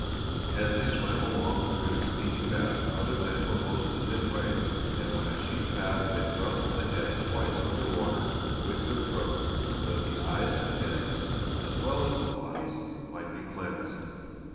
As they swam along through the steaming bath other men were posted midway and when a sheep passed they thrust the head twice under water with their crooks so that the eyes and heads as well as the bodies might be cleansed.